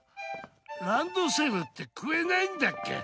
ランドセルって食えないんだっけ？